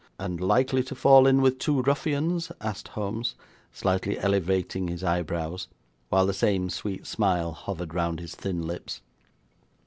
'And likely to fall in with two ruffians?' asked Holmes, slightly elevating his eyebrows, while the same sweet smile hovered round his thin lips.